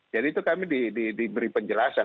jadi itu kami diberi penjelasan